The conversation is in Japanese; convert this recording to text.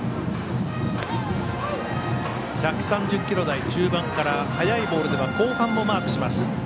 １３０キロ台中盤から速いボールでは後半もマークします。